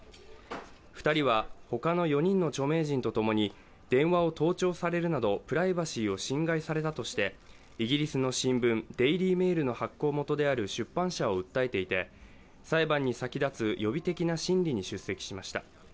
２人はほかの４人の著名人とともに電話を盗聴されるなどプライバシーを侵害されたとしてイギリスの新聞「デイリー・メール」の発行元である出版社を訴えていて裁判に先立つ予備的な審理に出席しました。